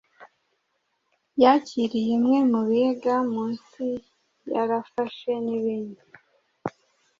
yakiriye umwe mubiga munsi yarafashe nibindi